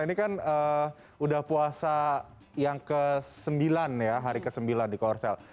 ini kan udah puasa yang ke sembilan ya hari ke sembilan di korsel